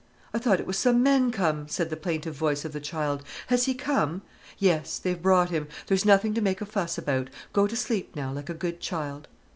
"I thought it was some men come," said the plaintive voice of the child. "Has he come?" "Yes, they've brought him. There's nothing to make a fuss about. Go to sleep now, like a good child."